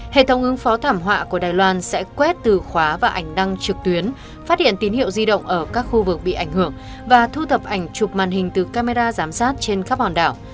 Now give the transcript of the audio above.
hệ thống ứng phó thảm họa của đài loan sẽ quét từ khóa và ảnh đăng trực tuyến phát hiện tín hiệu di động ở các khu vực bị ảnh hưởng và thu thập ảnh chụp màn hình từ camera giám sát trên khắp hòn đảo